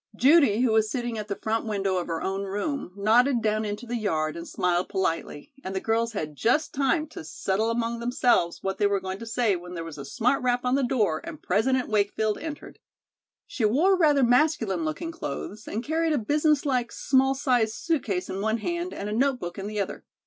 Judy, who was sitting at the front window of her own room, nodded down into the yard and smiled politely, and the girls had just time to settle among themselves what they were going to say when there was a smart rap on the door and President Wakefield entered. She wore rather masculine looking clothes, and carried a business like small sized suit case in one hand and a notebook in the other.